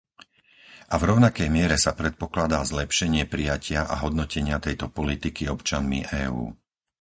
A v rovnakej miere sa predpokladá zlepšenie prijatia a hodnotenia tejto politiky občanmi EÚ.